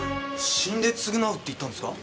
死んで償うって言ったんですか？